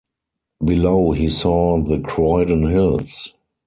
Below he saw the Croydon hills.